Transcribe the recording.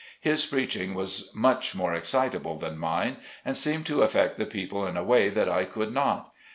His preaching was much more excitable than mine, and seemed to effect the people in a way that I could not.